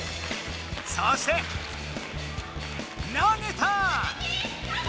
そして投げた！